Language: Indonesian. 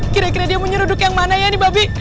kira kira dia mau nyuruh duk yang mana ya ini babi